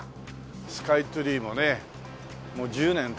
スカイツリーもねもう１０年経つと。